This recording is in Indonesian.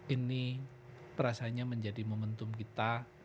ini rasanya menjadi momentum kita